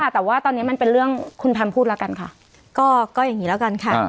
แต่ว่าตอนนี้มันเป็นเรื่องคุณแพมพูดแล้วกันค่ะก็อย่างนี้แล้วกันค่ะ